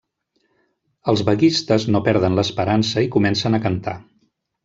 Els vaguistes no perden l'esperança i comencen a cantar.